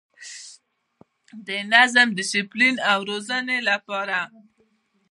د نظم، ډسپلین او روزنې لپاره